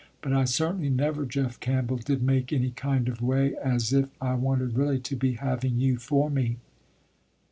But I certainly never, Jeff Campbell, did make any kind of way as if I wanted really to be having you for me."